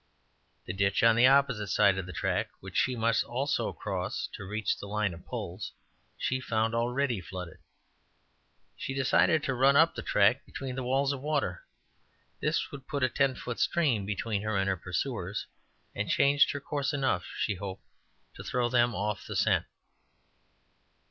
The ditch on the opposite side of the track, which she must also cross to reach the line of poles, she found already full flooded. She decided to run up the track, between the walls of water. This would put a ten foot stream between her and her pursuers, and change her course enough, she hoped, to throw them off the scent.